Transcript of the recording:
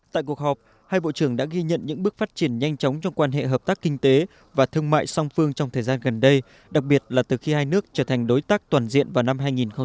tại cuộc họp hai bộ trưởng đã ghi nhận những bước phát triển nhanh chóng trong quan hệ hợp tác kinh tế và thương mại song phương trong thời gian gần đây đặc biệt là từ khi hai nước trở thành đối tác toàn diện vào năm hai nghìn hai mươi